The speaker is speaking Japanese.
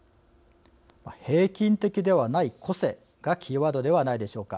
平均的ではない個性がキーワードではないでしょうか。